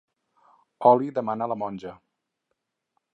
Oli demana la monja.